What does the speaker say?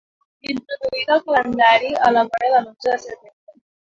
Introduïda al calendari a la vora de l'onze de setembre.